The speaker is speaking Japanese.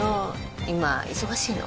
今忙しいの？